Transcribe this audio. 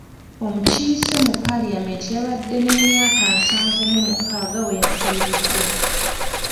Omukiise mu palamenti yabadde n'emyaka nsanvu mu mukaaga we yafiiridde.